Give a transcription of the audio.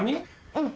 うん。